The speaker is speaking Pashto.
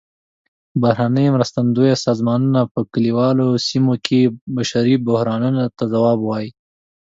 بهرنۍ مرستندویه سازمانونه په کلیوالو سیمو کې بشري بحرانونو ته ځواب ووايي.